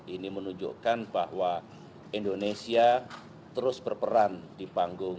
ini menunjukkan bahwa indonesia terus berperan di panggung